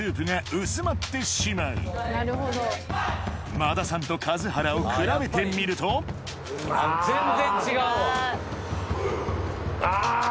馬田さんと数原を比べてみると全然違うわ。